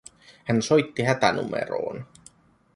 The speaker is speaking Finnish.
Hän soitti hätänumeroon